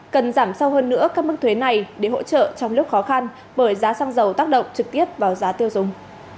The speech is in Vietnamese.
cần giảm sâu hơn nữa các mức thuế này để hỗ trợ trong lúc khó khăn bởi giá xăng dầu tác động trực tiếp vào giá tiêu dùng